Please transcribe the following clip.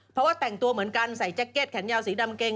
เพราะว่าแต่งตัวเหมือนกันใส่แจ็คเก็ตแขนยาวสีดำเกง